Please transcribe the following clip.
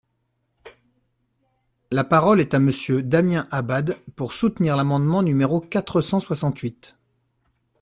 La parole est à Monsieur Damien Abad, pour soutenir l’amendement numéro quatre cent soixante-huit.